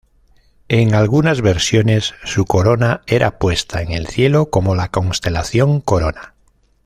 En algunas versiones, su corona era puesta en el cielo como la constelación Corona.